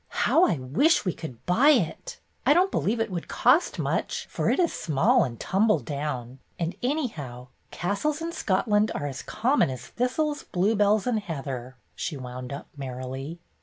"How I wish we could buy it! I don't believe it would cost much, for it is small and tumble down, and anyhow, castles in Scotland are as common as thistles, bluebells, and heather," she wound up merrily.